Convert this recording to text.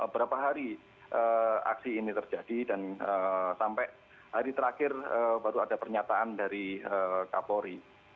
berapa hari aksi ini terjadi dan sampai hari terakhir baru ada pernyataan dari kapolri